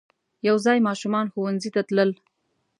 یو ځای ماشومان ښوونځی ته تلل.